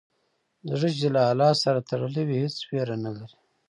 زړه چې له الله سره تړلی وي، هېڅ ویره نه لري.